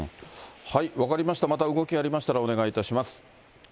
分かりました、また動きがありましたら、お願いいたします。